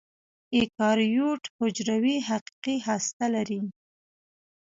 ایوکاریوت حجرې حقیقي هسته لري.